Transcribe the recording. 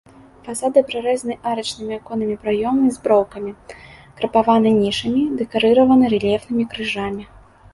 Фасады прарэзаны арачнымі аконнымі праёмамі з броўкамі, крапаваны нішамі, дэкарыраваны рэльефнымі крыжамі.